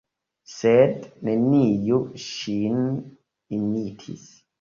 Sed neniu ŝin imitis.